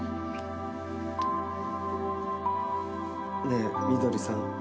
ねえ、翠さん。